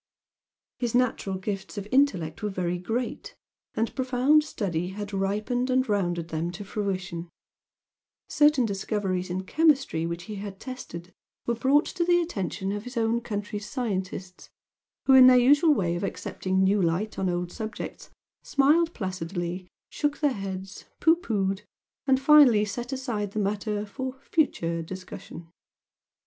His natural gifts of intellect were very great, and profound study had ripened and rounded them to fruition, certain discoveries in chemistry which he had tested were brought to the attention of his own country's scientists, who in their usual way of accepting new light on old subjects smiled placidly, shook their heads, pooh poohed, and finally set aside the matter "for future discussion."